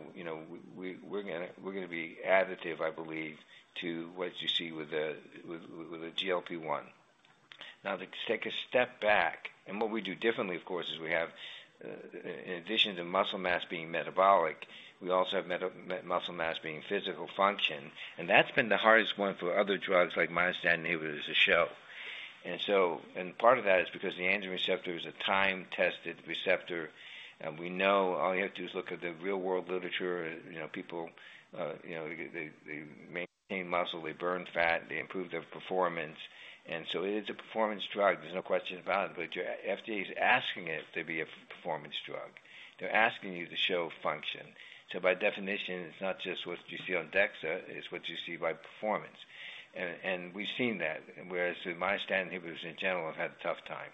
going to be additive, I believe, to what you see with the GLP-1. Now, to take a step back, and what we do differently, of course, is we have, in addition to muscle mass being metabolic, we also have muscle mass being physical function. That's been the hardest one for other drugs like myostatin inhibitors to show. Part of that is because the androgen receptor is a time-tested receptor. We know all you have to do is look at the real-world literature. People, they maintain muscle. They burn fat. They improve their performance. It is a performance drug. There's no question about it. The FDA is asking it to be a performance drug. They're asking you to show function. By definition, it's not just what you see on DEXA. It's what you see by performance. We've seen that whereas myostatin inhibitors in general have had a tough time.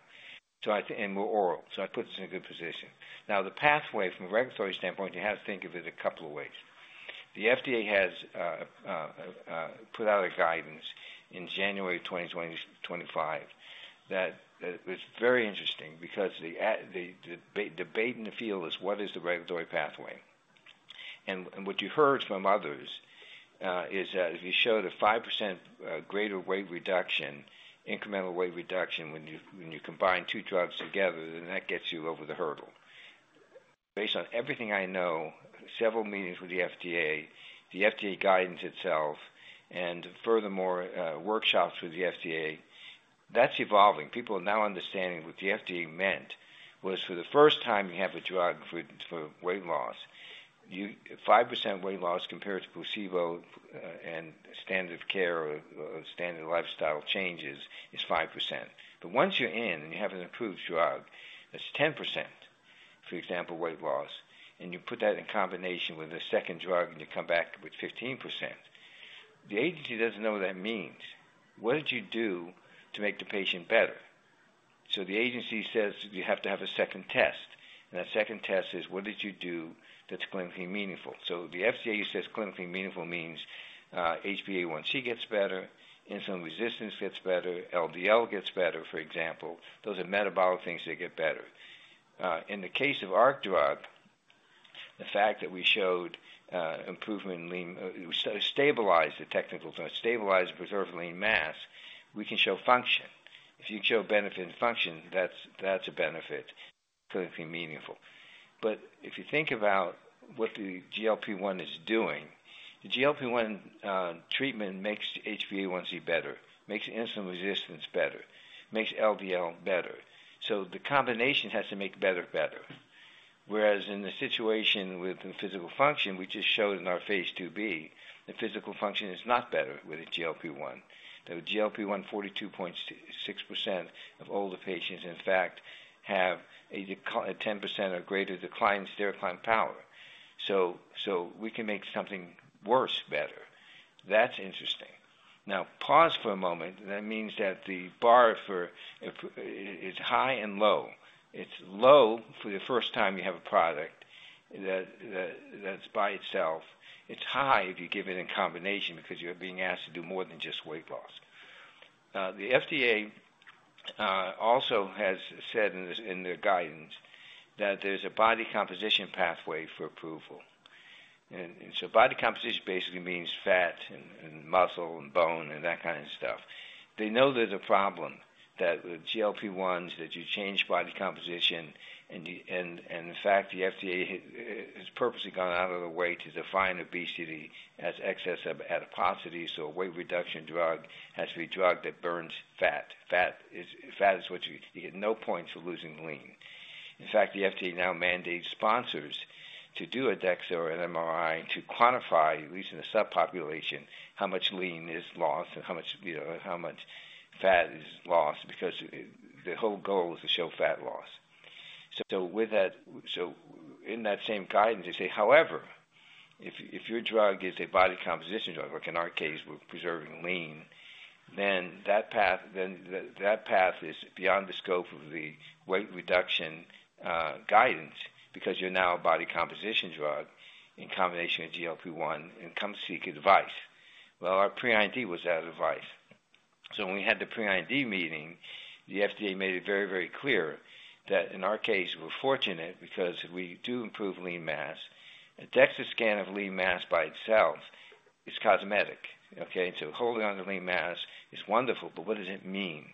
We're oral. I put this in a good position. Now, the pathway from a regulatory standpoint, you have to think of it a couple of ways. The FDA has put out a guidance in January of 2025 that was very interesting because the debate in the field is, what is the regulatory pathway? What you heard from others is that if you showed a 5% greater weight reduction, incremental weight reduction when you combine two drugs together, then that gets you over the hurdle. Based on everything I know, several meetings with the FDA, the FDA guidance itself, and furthermore, workshops with the FDA, that's evolving. People are now understanding what the FDA meant was for the first time you have a drug for weight loss, 5% weight loss compared to placebo and standard of care or standard lifestyle changes is 5%. Once you're in and you have an approved drug, that's 10% weight loss, for example. You put that in combination with a second drug, and you come back with 15%. The agency doesn't know what that means. What did you do to make the patient better? The agency says you have to have a second test. That second test is, what did you do that's clinically meaningful? The FDA says clinically meaningful means HbA1c gets better, insulin resistance gets better, LDL gets better, for example. Those are metabolic things that get better. In the case of our drug, the fact that we showed improvement in, stabilized the technical terms, stabilized preserved lean mass, we can show function. If you can show benefit in function, that's a benefit. Clinically meaningful. If you think about what the GLP-1 is doing, the GLP-1 treatment makes HbA1c better, makes insulin resistance better, makes LDL better. The combination has to make better, better. Whereas in the situation with the physical function, we just showed in our phase IIB, the physical function is not better with the GLP-1. The GLP-1, 42.6% of older patients, in fact, have a 10% or greater decline in stair climb power. We can make something worse better. That's interesting. Now, pause for a moment. That means that the bar for it's high and low. It's low for the first time you have a product that's by itself. It's high if you give it in combination because you're being asked to do more than just weight loss. The FDA also has said in their guidance that there's a body composition pathway for approval. Body composition basically means fat and muscle and bone and that kind of stuff. They know there is a problem that with GLP-1s, you change body composition. In fact, the FDA has purposely gone out of the way to define obesity as excess of adiposity. A weight reduction drug has to be a drug that burns fat. Fat is what you get no points for losing lean. In fact, the FDA now mandates sponsors to do a DEXA or an MRI to quantify, at least in the subpopulation, how much lean is lost and how much fat is lost because the whole goal is to show fat loss. In that same guidance, they say, however, if your drug is a body composition drug, like in our case, we're preserving lean, then that path is beyond the scope of the weight reduction guidance because you're now a body composition drug in combination with GLP-1 and come seek advice. Our pre-IND was that advice. When we had the pre-IND meeting, the FDA made it very, very clear that in our case, we're fortunate because we do improve lean mass. A DEXA scan of lean mass by itself is cosmetic, okay? Holding on to lean mass is wonderful, but what does it mean?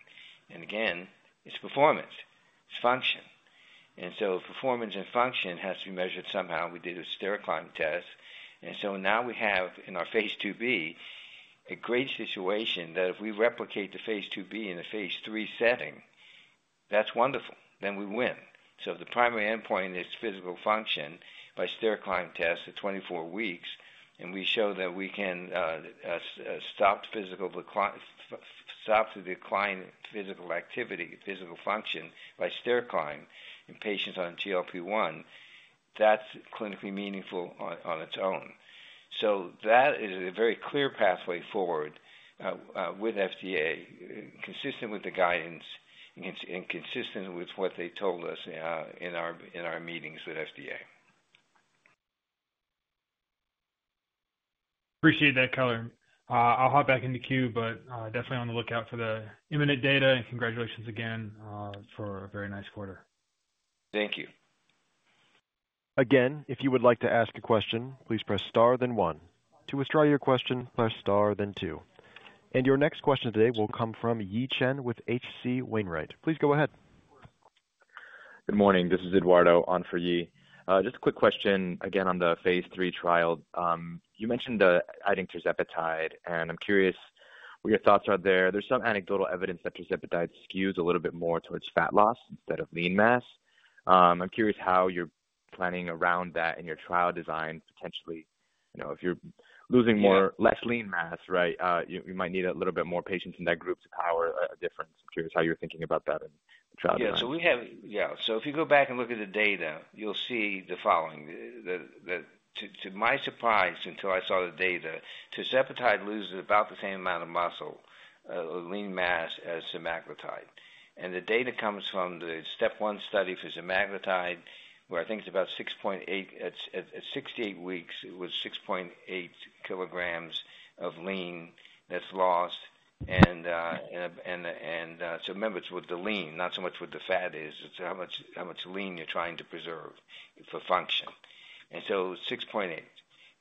Again, it's performance. It's function. Performance and function has to be measured somehow. We did a stair climb test. We have in our phase IIB a great situation that if we replicate the phase IIB in a phase III setting, that is wonderful then we win. The primary endpoint is physical function by stair climb test at 24 weeks. We show that we can stop the decline in physical activity, physical function by stair climb in patients on GLP-1. That is clinically meaningful on its own. That is a very clear pathway forward with FDA, consistent with the guidance and consistent with what they told us in our meetings with FDA. Appreciate that color. I'll hop back into queue, but definitely on the lookout for the imminent data. Congratulations again for a very nice quarter. Thank you. If you would like to ask a question, please press star then one. To withdraw your question, press star then two. Your next question today will come from Yi Chen with H.C. Wainwright & Co. Please go ahead. Good morning. This is Eduardo on for Yi. Just a quick question again on the phase III trial. You mentioned adding tirzepatide. I'm curious what your thoughts are there. There's some anecdotal evidence that tirzepatide skews a little bit more towards fat loss instead of lean mass. I'm curious how you're planning around that in your trial design, potentially. If you're losing less lean mass, right, you might need a little bit more patients in that group to power a difference. I'm curious how you're thinking about that in the trial design. Yeah. If you go back and look at the data, you'll see the following. To my surprise, until I saw the data, tirzepatide loses about the same amount of muscle or lean mass as semaglutide. The data comes from the step one study for semaglutide, where I think it's about 6.8 at six to eight weeks, it was 6.8 kgof lean that's lost. Remember, it's with the lean, not so much what the fat is. It's how much lean you're trying to preserve for function. 6.8.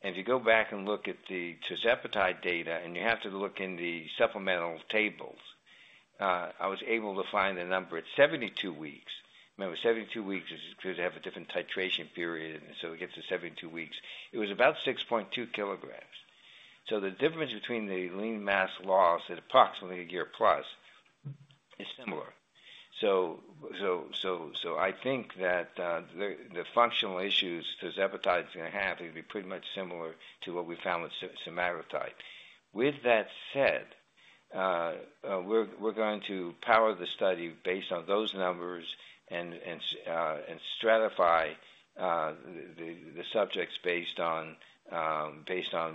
If you go back and look at the tirzepatide data, and you have to look in the supplemental tables, I was able to find the number at 72 weeks. Remember, 72 weeks is because you have a different titration period. It gets to 72 weeks. It was about 6.2 kg. The difference between the lean mass loss at approximately a year plus is similar. I think that the functional issues tirzepatide is going to have is going to be pretty much similar to what we found with semaglutide. With that said, we're going to power the study based on those numbers and stratify the subjects based on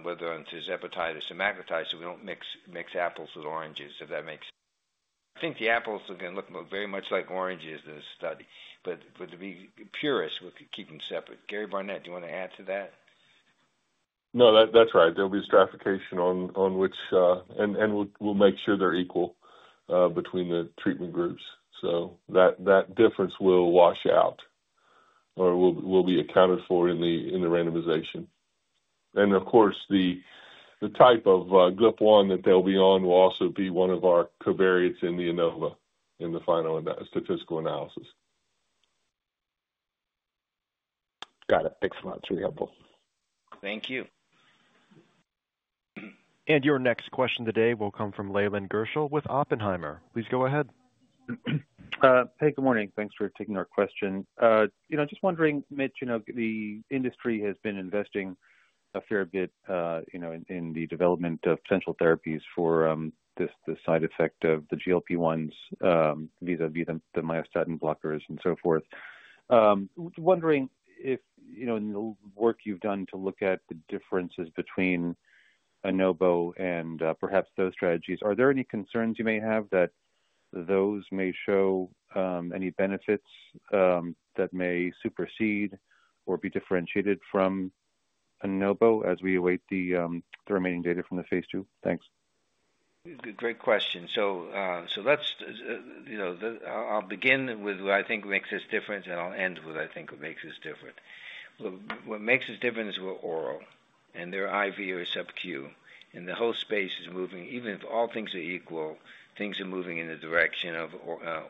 whether on tirzepatide or semaglutide so we don't mix apples with oranges, if that makes sense. I think the apples are going to look very much like oranges in this study. To be purist, we'll keep them separate. Gary Barnette, do you want to add to that? No, that's right. There'll be stratification on which and we'll make sure they're equal between the treatment groups. That difference will wash out or will be accounted for in the randomization. Of course, the type of GLP-1 that they'll be on will also be one of our covariates in the ANOVA in the final statistical analysis. Got it. Thanks a lot. It's really helpful. Thank you. Your next question today will come from Leland Gershell with Oppenheimer. Please go ahead. Hey, good morning. Thanks for taking our question. Just wondering, Mitch, the industry has been investing a fair bit in the development of potential therapies for the side effect of the GLP-1s vis-à-vis the myostatin blockers and so forth. Wondering if in the work you've done to look at the differences between Enobo and perhaps those strategies, are there any concerns you may have that those may show any benefits that may supersede or be differentiated from Enobo as we await the remaining data from the phase II? Thanks. Great question. I'll begin with what I think makes this different, and I'll end with what I think makes this different. What makes this different is we're oral. And they're IV or subq. The whole space is moving, even if all things are equal, things are moving in the direction of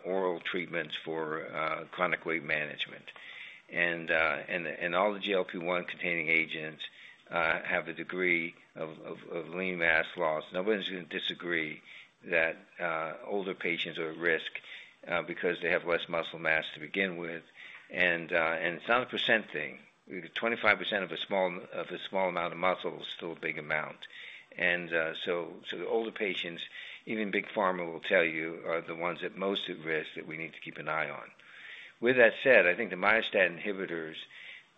oral treatments for chronic weight management. All the GLP-1-containing agents have a degree of lean mass loss. Nobody's going to disagree that older patients are at risk because they have less muscle mass to begin with. It's not a percent thing. 25% of a small amount of muscle is still a big amount. The older patients, even big pharma will tell you, are the ones at most at risk that we need to keep an eye on. With that said, I think the myostatin inhibitors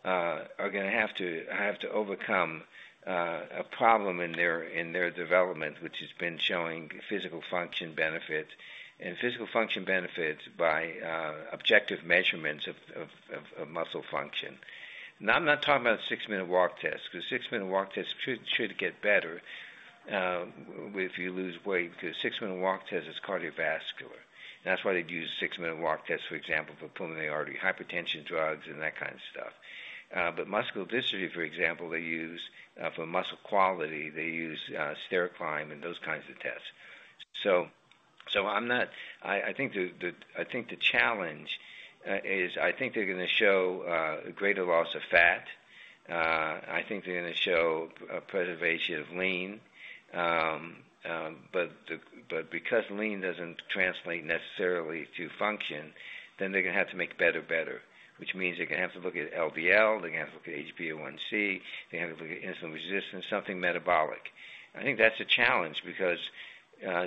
are going to have to overcome a problem in their development, which has been showing physical function benefits and physical function benefits by objective measurements of muscle function. Now, I'm not talking about the six-minute walk test because the six-minute walk test should get better if you lose weight because the six-minute walk test is cardiovascular. That's why they'd use a six-minute walk test, for example, for pulmonary artery hypertension drugs and that kind of stuff. Muscular dystrophy, for example, they use for muscle quality. They use stair climb and those kinds of tests. I think the challenge is I think they're going to show a greater loss of fat. I think they're going to show a preservation of lean. But because lean doesn't translate necessarily to function, then they're going to have to make better, better, which means they're going to have to look at LDL. They're going to have to look at HbA1c. They're going to have to look at insulin resistance, something metabolic. I think that's a challenge because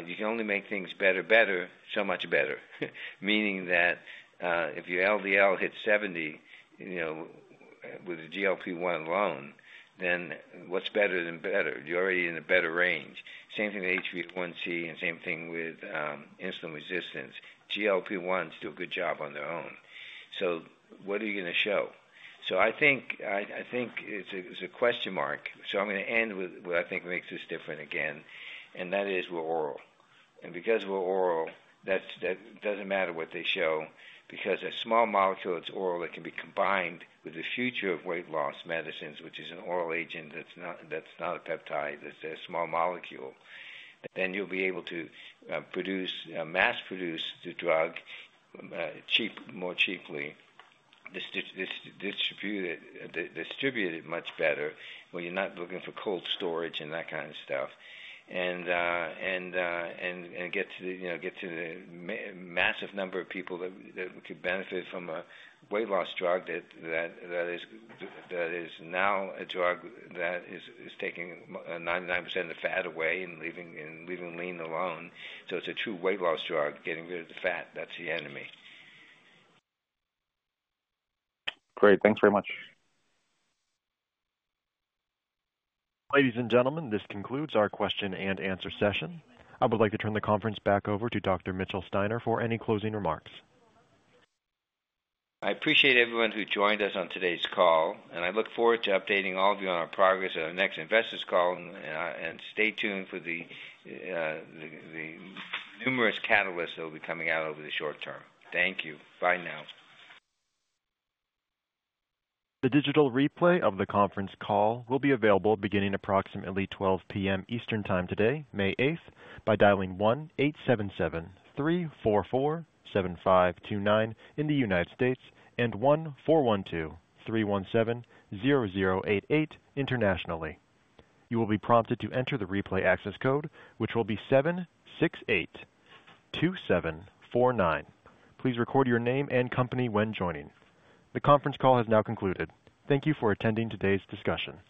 you can only make things better, better, so much better, meaning that if your LDL hits 70 with a GLP-1 alone, then what's better than better? You're already in a better range. Same thing with HbA1c and same thing with insulin resistance. GLP-1 still a good job on their own. What are you going to show? I think it's a question mark. I'm going to end with what I think makes this different again. That is we're oral. Because we're oral, that does not matter what they show because a small molecule that's oral that can be combined with the future of weight loss medicines, which is an oral agent that's not a peptide, that's a small molecule, then you'll be able to mass produce the drug more cheaply, distribute it much better when you're not looking for cold storage and that kind of stuff, and get to the massive number of people that could benefit from a weight loss drug that is now a drug that is taking 99% of the fat away and leaving lean alone. It is a true weight loss drug, getting rid of the fat. That is the enemy. Great. Thanks very much. Ladies and gentlemen, this concludes our question and answer session. I would like to turn the conference back over to Dr. Mitchell Steiner for any closing remarks. I appreciate everyone who joined us on today's call. I look forward to updating all of you on our progress at our next investors call. Stay tuned for the numerous catalysts that will be coming out over the short term. Thank you. Bye now. The digital replay of the conference call will be available beginning approximately 12:00 P.M. Eastern Time today, May 8, by dialing 1-877-344-7529 in the United States and 1-412-317-0088 internationally. You will be prompted to enter the replay access code, which will be 7682749. Please record your name and company when joining. The conference call has now concluded. Thank you for attending today's discussion.